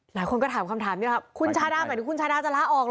หลายคนก็ถามคำถามนี้ครับคุณชาดาหมายถึงคุณชาดาจะลาออกเห